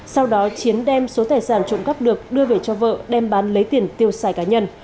sau đó chiến đem số tài sản trộm cắp được đưa về cho vợ đem bán lấy tiền tiêu xài cá nhân